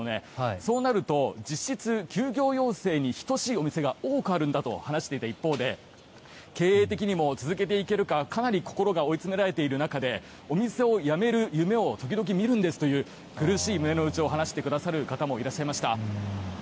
そうなると実質休業要請に等しいお店が多くあるんだと話している一方で経営的にも続けていけるかかなり心が追い詰められている中でお店をやめる夢を時々見るんですという苦しい胸の内を話してくださる方もいらっしゃいました。